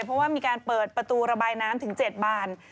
เพราะว่ามีการเปิดประตูระบายน้ำถึง๗บาน